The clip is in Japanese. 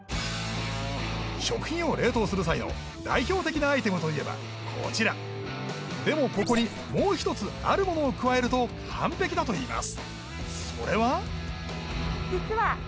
食品を冷凍する際の代表的なアイテムといえばこちらでもここにもう一つあるものを加えると完璧だといいますそれは？